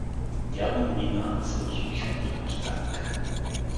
Дядо Мина` се усмихна под мустак.